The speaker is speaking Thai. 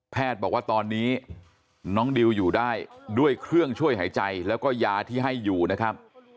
บอกว่าตอนนี้น้องดิวอยู่ได้ด้วยเครื่องช่วยหายใจแล้วก็ยาที่ให้อยู่นะครับ